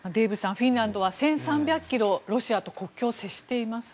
フィンランドは１３００ｋｍロシアと国境を接しています。